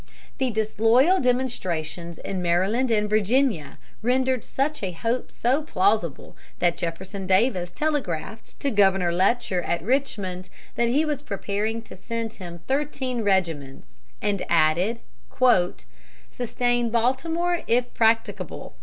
The disloyal demonstrations in Maryland and Virginia rendered such a hope so plausible that Jefferson Davis telegraphed to Governor Letcher at Richmond that he was preparing to send him thirteen regiments, and added: "Sustain Baltimore if practicable.